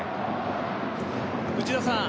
内田さん